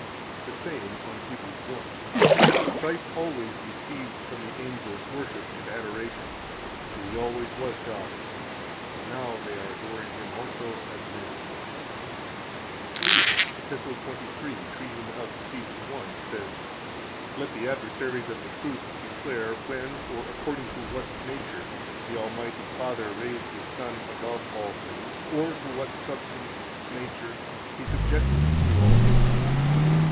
58 The same, on Heb. 1 (t. 2, p. 154): "Christ always received from the angels worship and adoration, for He always was God. But now they are adoring Him also as man. 59 LEO, Epist. 23 (fol. 99; Ep. [ 23 and 83 ] 46 and 97, ff. 261 and 317, ed. Lugd., 1700), treating of Eph 1, says: "Let the adversaries of the truth declare when or according to what nature the almighty Father raised His Son above all things, or to what substance [nature] He subjected to all things.